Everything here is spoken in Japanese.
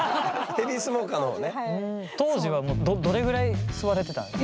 当時はどれぐらい吸われてたんですか？